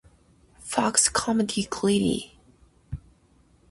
Fox comedy "Greedy".